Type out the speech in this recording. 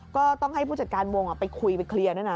ก็ต้องให้ผู้จัดการวงไปคุยไปเคลียร์ด้วยนะ